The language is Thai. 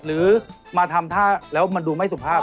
หรือมาทำท่าแล้วมันดูไม่สุภาพ